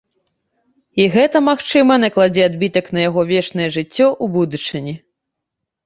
І гэта, магчыма, накладзе адбітак на яго вечнае жыццё ў будучыні.